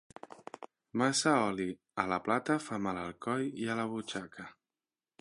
Massa oli a la plata fa mal al coll i a la butxaca.